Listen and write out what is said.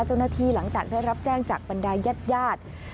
เจ้าหน้าที่หลังจากได้รับแจ้งจากบันไดญาติยาด